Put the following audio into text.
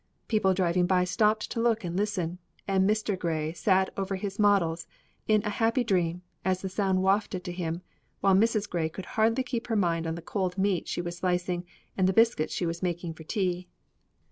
People driving by stopped to look and listen, and Mr. Grey sat over his models in a happy dream, as the sound wafted in to him, while Mrs. Grey could hardly keep her mind on the cold meat she was slicing and the biscuits she was making for tea.